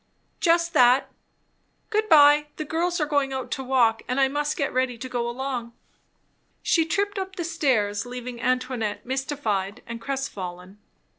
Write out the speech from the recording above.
"Just that. Good bye the girls are going out to walk, and I must get ready to go along." She tripped up the stairs, leaving Antoinette mystified and crestfallen.